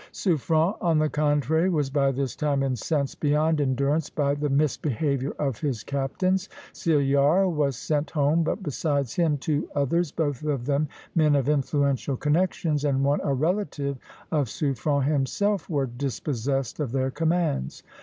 Suffren, on the contrary, was by this time incensed beyond endurance by the misbehavior of his captains. Cillart was sent home; but besides him two others, both of them men of influential connections, and one a relative of Suffren himself, were dispossessed of their commands.